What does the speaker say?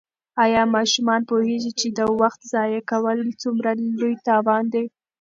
آیا ماشومان پوهېږي چې د وخت ضایع کول څومره لوی تاوان دی؟